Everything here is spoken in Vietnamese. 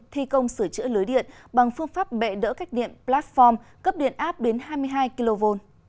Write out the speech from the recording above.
thi công sửa chữa lưới điện bằng phương pháp bệ đỡ cách điện platform cấp điện áp đến hai mươi hai kv